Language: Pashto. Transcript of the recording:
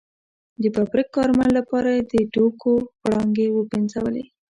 د ببرک کارمل لپاره یې د ټوکو غړانګې وپنځولې.